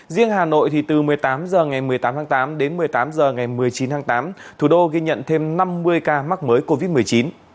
riêng hà nội từ một mươi tám h ngày một mươi tám tháng tám đến một mươi tám h ngày một mươi chín tháng tám thủ đô ghi nhận thêm năm mươi ca mắc mới covid một mươi chín